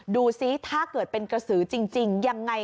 ดูซิถ้าเกิดเป็นกระสือจริงยังไง